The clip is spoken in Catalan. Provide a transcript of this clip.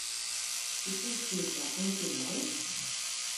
I què explica, Un final?